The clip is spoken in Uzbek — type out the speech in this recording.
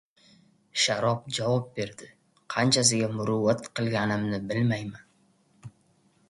Sharob javob berdi: “Qanchasiga muruvvat qilganimni bilmayman.